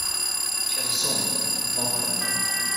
She has a son, Lovro.